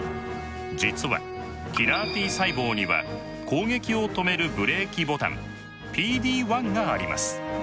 実はキラーＴ細胞には攻撃を止めるブレーキボタン「ＰＤ−１」があります。